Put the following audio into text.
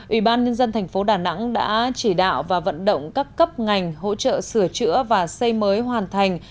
ubnd tp đà nẵng đã chỉ đạo và vận động các cấp ngành hỗ trợ sửa chữa và xây mới hoàn thành